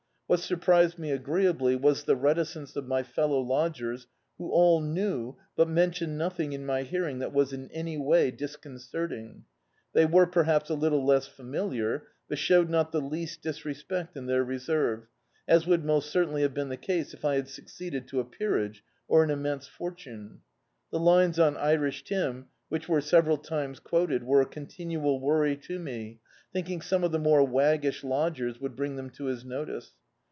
What surprised me agree ably was the reticence of my fellow lodgers, who all knew, but mentioned nothing in my hearing that was in any way disconcerting. They were, perhaps, a little less familiar, but showed not the least disrespect in their reserve, as would most cer tainly have been the case if I had succeeded to a peer age or an immense fortune. The lines on Irish Tim, which were several times quoted, were a continual worry to me, thinking some of the more waggish lodgers would bring them to his notice.